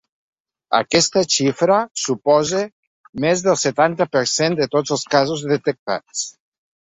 Aquesta xifra suposa més del setanta per cent de tots els casos detectats.